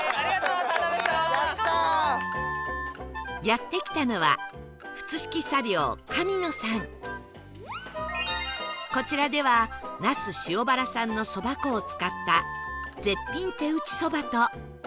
やって来たのはこちらでは那須塩原産のそば粉を使った絶品手打ちそばと